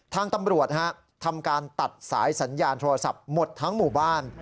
ทางตำรวจทำการตัดสายสัญญาณโทรศัพท์หมดทั้งหมู่บ้าน